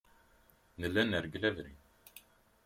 Nella nergel abrid.